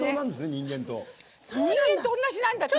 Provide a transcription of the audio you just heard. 人間と同じなんだって。